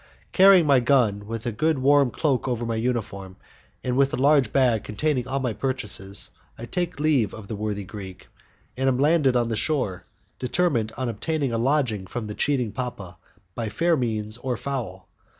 Carrying my gun, with a good warm cloak over my uniform and with a large bag containing all my purchases, I take leave of the worthy Greek, and am landed on the shore, determined on obtaining a lodging from the cheating papa, by fair means or foul.